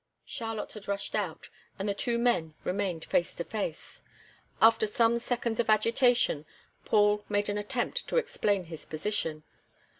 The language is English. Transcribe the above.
Charlotte had rushed out, and the two men remained face to face. After some seconds of agitation, Paul made an attempt to explain his position.